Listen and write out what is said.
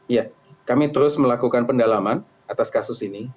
ya kami terus melakukan pendalaman atas kasus ini